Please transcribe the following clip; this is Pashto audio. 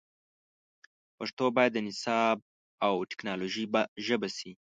پښتو باید د نصاب او ټکنالوژۍ ژبه سي